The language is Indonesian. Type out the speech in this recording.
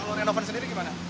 kalau renovan sendiri gimana